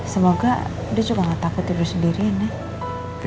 semoga dia suka gak takut tidur sendirian ya